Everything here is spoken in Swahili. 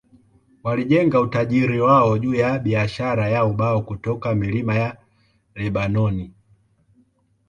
Walijenga utajiri wao juu ya biashara ya ubao kutoka milima ya Lebanoni.